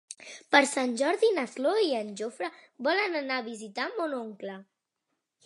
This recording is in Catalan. Per Sant Jordi na Cloè i en Jofre volen anar a visitar mon oncle.